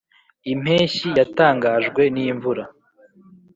impeshyi, yatangajwe n'imvura,